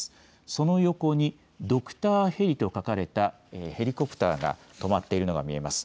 その横にドクターヘリと書かれたヘリコプターが止まっているのが見えます。